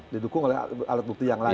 didukung oleh alat bukti yang lain